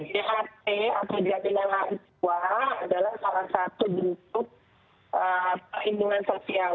dht atau jaminan lahir tua adalah salah satu bentuk perlindungan sosial